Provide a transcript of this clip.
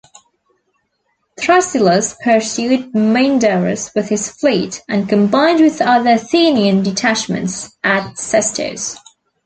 Thrasyllus pursued Mindarus with his fleet, and combined with other Athenian detachments at Sestos.